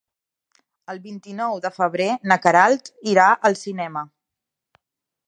El vint-i-nou de febrer na Queralt irà al cinema.